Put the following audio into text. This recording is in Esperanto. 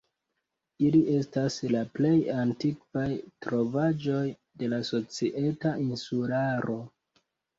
Ili estas la plej antikvaj trovaĵoj de la Societa Insularo.